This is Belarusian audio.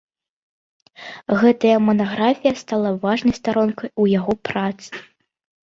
Гэтая манаграфія стала важнай старонкай у яго працы.